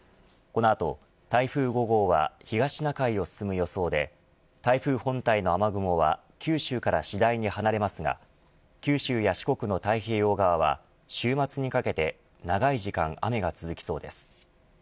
この後、台風５号は東シナ海を進む予想で台風本体の雨雲は九州から次第に離れますが九州や四国の太平洋側は週末にかけて長い時間雨が続きそうです。